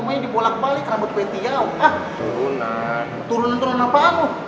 jadi gue ikutan juga